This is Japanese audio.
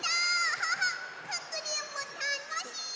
ハハッかくれんぼたのしい！